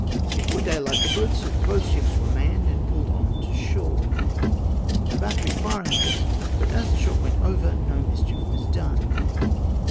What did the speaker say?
Before daylight the boats of both ships were manned, and pulled on shore, a battery fnhig at us, but as the shot went over, no mischief was done.